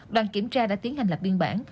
đoàn kiểm tra đã tiến hành lập biên bản